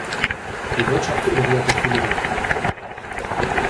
Die Wirtschaft florierte viele Jahre lang.